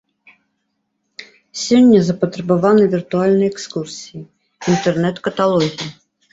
Сёння запатрабаваны віртуальныя экскурсіі, інтэрнэт-каталогі.